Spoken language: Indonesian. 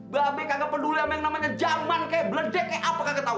babi kagak peduli sama yang namanya jaman kayak beledek kayak apa kagak tau